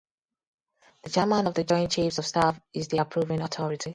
The Chairman of the Joint Chiefs of Staff is the approving authority.